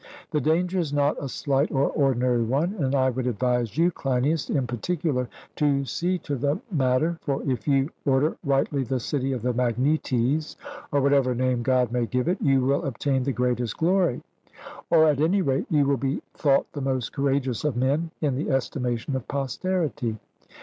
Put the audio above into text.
The danger is not a slight or ordinary one, and I would advise you, Cleinias, in particular, to see to the matter; for if you order rightly the city of the Magnetes, or whatever name God may give it, you will obtain the greatest glory; or at any rate you will be thought the most courageous of men in the estimation of posterity.